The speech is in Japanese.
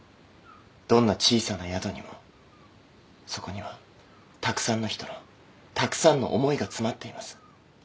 どんな小さな宿にもそこにはたくさんの人のたくさんの思いが詰まっています。